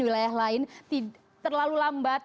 wilayah lain terlalu lambat